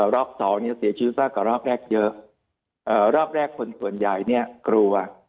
รอบ๒เสียชีวิตเข้าก็ล็อบแรกเยอะรอบแรกคนส่วนใหญ่กลัว